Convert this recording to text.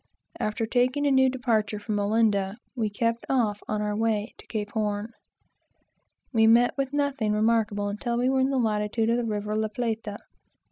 After taking a new departure from Olinda, we kept off on our way to Cape Horn. We met with nothing remarkable until we were in the latitude of the river La Plata.